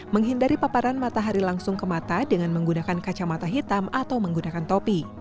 menghindari paparan matahari langsung ke mata dengan menggunakan kacamata hitam atau menggunakan topi